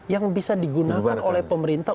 yang bisa digunakan oleh pemerintah